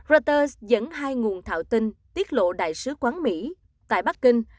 reuters dẫn hai nguồn thạo tin tiết lộ đại sứ quán mỹ tại bắc kinh